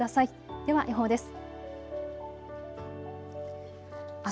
では予報です。